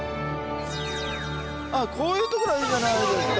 ああこういうところはいいじゃないですか。